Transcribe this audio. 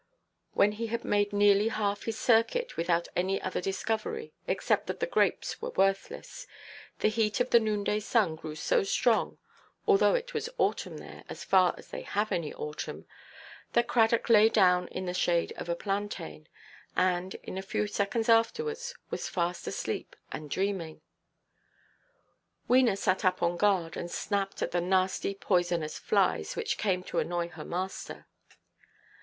When he had made nearly half his circuit, without any other discovery—except that the grapes were worthless—the heat of the noonday sun grew so strong, although it was autumn there—so far as they have any autumn—that Cradock lay down in the shade of a plantain; and, in a few seconds afterwards, was fast asleep and dreaming. Wena sat up on guard and snapped at the nasty poisonous flies, which came to annoy her master.